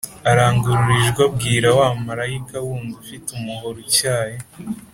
arangurura ijwi abwira wa marayika wundi ufite umuhoro utyaye